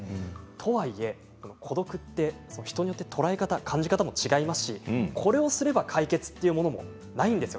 とはいえ孤独って人によって捉え方、感じ方も違いますしこれをすれば解決ということもないんです。